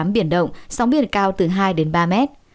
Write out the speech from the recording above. biển động sóng biển cao từ hai đến ba mét